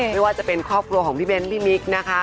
ไม่ว่าจะเป็นครอบครัวของพี่เบ้นพี่มิ๊กนะคะ